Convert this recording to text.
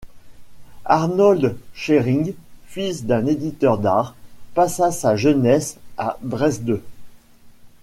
Arnold Schering, fils d'un éditeur d'art, passa sa jeunesse à Dresde.